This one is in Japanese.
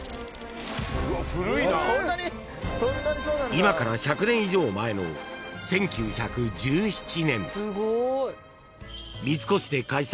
［今から１００年以上前の１９１７年］